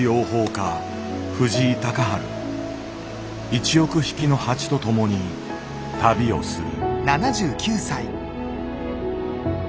１ 億匹の蜂と共に旅をする。